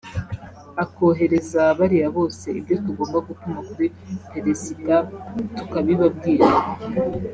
akohereza bariya bose ibyo tugomba gutuma kuri peresida tukabibabwira